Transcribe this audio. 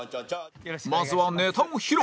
まずはネタを披露